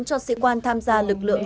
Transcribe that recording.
cho sĩ quan tham gia lực lượng